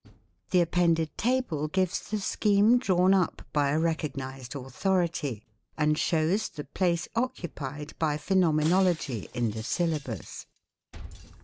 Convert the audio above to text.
The appended table gives the scheme drawn up by a recognised authority, and shows the place occupied by Phenomenology in the syllabus.